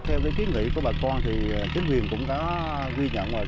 theo cái kiến nghị của bà con thì chính quyền cũng đã ghi nhận rồi